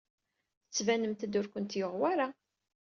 Tettbanemt-d ur kent-yuɣ wara.